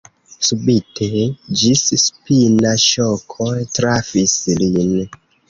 Subite ĝisspina ŝoko trafis lin.